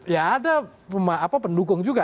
ya ada pendukung juga